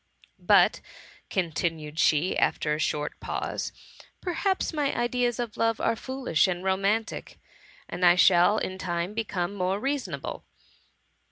But," continued she, after a short pause, '^ perhaps my ideas of love are foolish and romantic, and I shall in time become more reasonable.